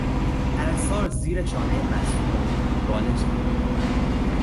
پرستار زیر شانهی مصدوم او بالش قرار داد.